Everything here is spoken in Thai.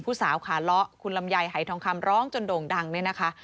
สาวขาเลาะคุณลำไยหายทองคำร้องจนโด่งดังเนี่ยนะคะ